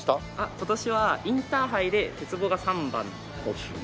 今年はインターハイで鉄棒が３番３位だった。